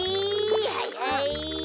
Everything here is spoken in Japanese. はいはい。